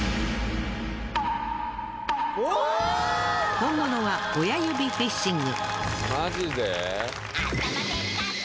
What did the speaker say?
本物は親指フィッシング。